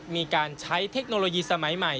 มีการใช้เทคโนโลยีสมัยใหม่